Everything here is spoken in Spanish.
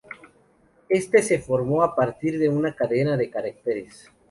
Este se formó a partir de una cadena de cráteres.